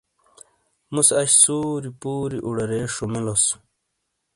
مُوسے اش سُوری پُوری اُوڑارے شومیلوس